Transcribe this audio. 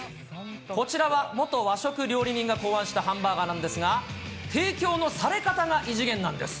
こちらは元和食料理人が考案したハンバーガーなんですが、提供のされ方が異次元なんです。